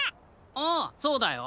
ああそうだよ！